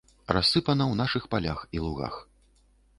Рассыпана ў нашых палях і лугах.